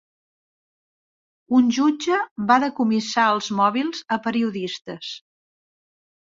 Un jutge va decomissar els mòbils a periodistes